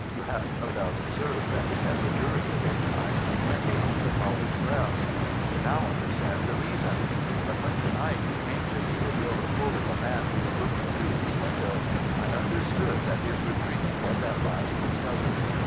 You have no doubt observed that he never during the daytime went beyond the college grounds. You now understand the reason. But when to night you came to me with your report of a man who was looking through his window, I understood that his retreat was at last discovered.